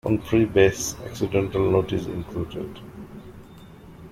One free bass accidental note is included.